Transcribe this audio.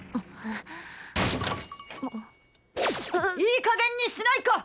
いいかげんにしないか！